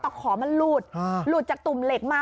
ขอมันหลุดหลุดจากตุ่มเหล็กมา